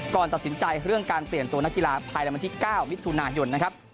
ก่อนตัดสินใจเรื่องการเปลี่ยนตัวนักกีฬาภายในวันที่๙มิถุนายนนะครับ